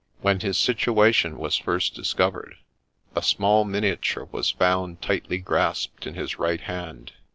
When his situation was first discovered, a small miniature was found tightly grasped in his right hand.